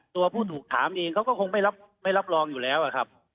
ตัวผู้ถูกถามเองเขาก็คงไม่รับรองอยู่แล้วอะครับ